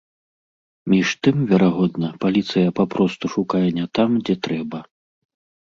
Між тым, верагодна, паліцыя папросту шукае не там, дзе трэба.